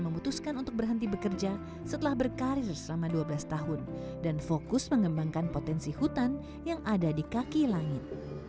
memutuskan untuk berhenti bekerja setelah berkarir selama dua belas tahun dan fokus mengembangkan potensi hutan yang ada di kaki langit